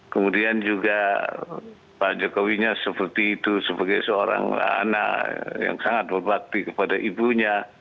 kemudian juga pak jokowinya seperti itu sebagai seorang anak yang sangat berbakti kepada ibunya